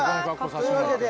というわけで。